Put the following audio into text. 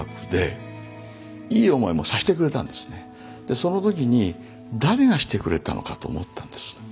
その時に誰がしてくれたのかと思ったんですね。